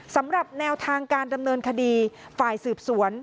สำหรับแนวทางการดำเนินคดีฝ่ายสืบสวน